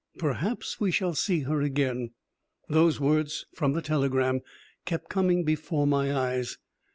"Perhaps we shall see her again." Those words from the telegram kept coming before my eyes.